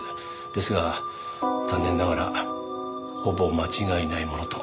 ですが残念ながらほぼ間違いないものと。